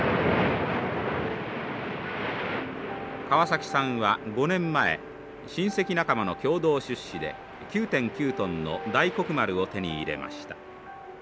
川崎さんは５年前親戚仲間の共同出資で９．９トンの大黒丸を手に入れました。